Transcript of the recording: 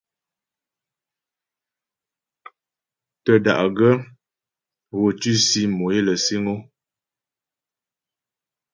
Tə́ da'gaə́ gho tʉsì mò é lə siŋ o.